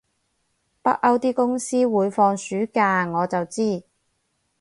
北歐啲公司會放暑假我就知